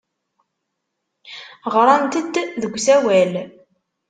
Ɣrant-d deg usawal.